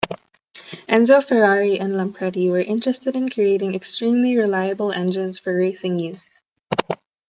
Enzo Ferrari and Lampredi were interested in creating extremely reliable engines for racing use.